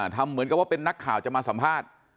ทำเหมือนกับว่าเป็นนักข่าวจะมาสัมภาษณ์